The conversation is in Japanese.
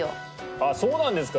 あそうなんですか？